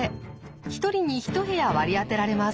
１人に１部屋割り当てられます。